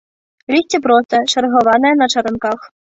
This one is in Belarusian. Лісце простае, чаргаванае, на чаранках.